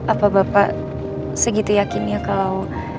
apa bapak segitu yakin ya kalo